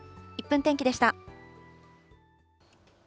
１分天気でした。